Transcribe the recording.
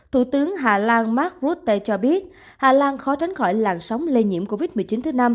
thủ tướng hà lan mark rutte cho biết hà lan khó tránh khỏi làn sóng lây nhiễm covid một mươi chín thứ năm